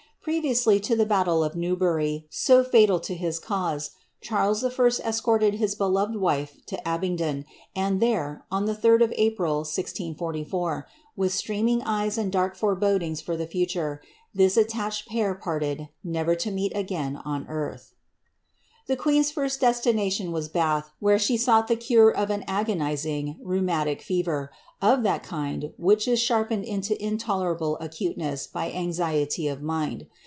Previously to the battle of Newbury, so fatal to his cause, Charles I. escorted his beloved wife to Abingdon, and there, on the 3d of April, 1644, with streaming eyes and dark forebodings for the future, this attached pair parted, never to meet again on earth. The queen^s first destination was Bath, where she sought the cure of an agonizing rheumatic fever, of that kind which is sharpened into in tderable acuteness by anxiety of mind.